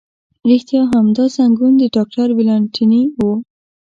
رښتیا هم، دا زنګون د ډاکټر ولانتیني و.